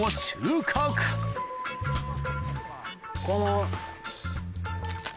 この。